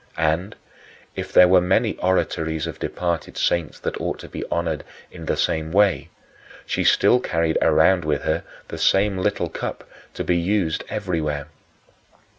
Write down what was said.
And, if there were many oratories of departed saints that ought to be honored in the same way, she still carried around with her the same little cup, to be used everywhere.